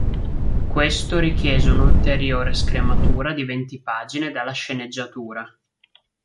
Questo richiese un'ulteriore scrematura di venti pagine dalla sceneggiatura.